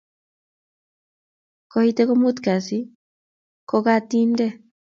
kuite kumut kasi kukatinte